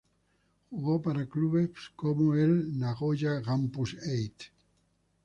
Jugó para clubes como el Nagoya Grampus Eight.